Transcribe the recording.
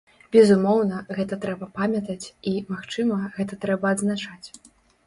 Безумоўна, гэта трэба памятаць, і, магчыма, гэта трэба адзначаць.